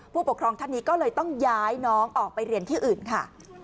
ผู้ปกครองท่านนี้ก็เลยต้องย้ายน้องออกไปเรียนที่อื่นค่ะ